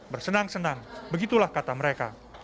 bersenang senang begitulah kata mereka